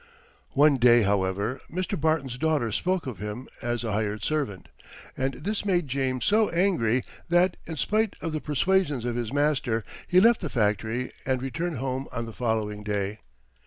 One day, however, Mr. Barton's daughter spoke of him as a hired servant, and this made James so angry, that, in spite of the persuasions of his master, he left the factory, and returned home on the following day.